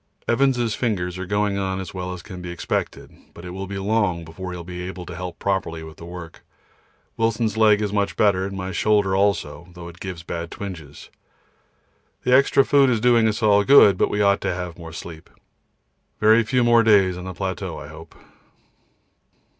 Evans' fingers are going on as well as can be expected, but it will be long before he will be able to help properly with the work. Wilson's leg much better, and my shoulder also, though it gives bad twinges. The extra food is doing us all good, but we ought to have more sleep. Very few more days on the plateau I hope.